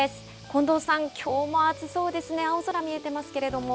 近藤さん、きょうも暑そうですね、青空見えてますけれども。